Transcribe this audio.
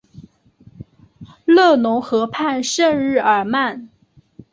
勒农河畔圣日耳曼。